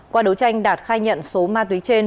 qua đấu tranh đạt khai nhận số ma túy trên